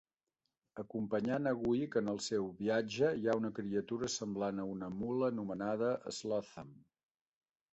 Acompanyant a Wik en el seu viatge, hi ha una criatura semblant a una mula anomenada Slotham.